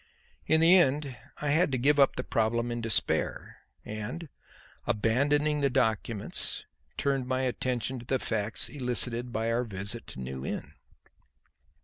In the end I had to give up the problem in despair, and, abandoning the documents, turned my attention to the facts elicited by our visit to New Inn.